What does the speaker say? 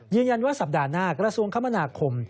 ยืนยันว่าสัปดาห์หน้ากระทรวงคมนาคม